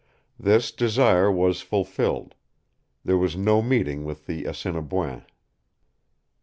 This desire was fulfilled. There was no meeting with the Assiniboins.